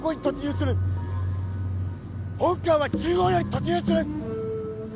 本官は中央より突入する。